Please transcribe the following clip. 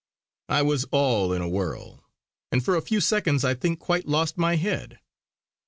I was all in a whirl, and for a few seconds I think quite lost my head.